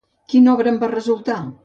Quina obra en va resultar?